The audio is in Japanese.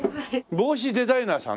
帽子デザイナーさん？